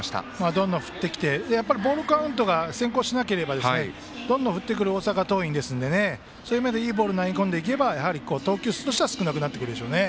どんどん振ってきてボールカウントが先行しなければどんどん振ってくる大阪桐蔭なのでそういう意味でいいボールを投げ込んでいけば球数としては少なくなってきますね。